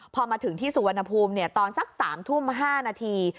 พอมาถึงที่สุวรรณภูมิตอนสัก๓ทุ่ม๕นาที